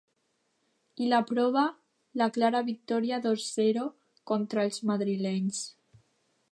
I la prova, la clara victòria dos-zero contra els madrilenys.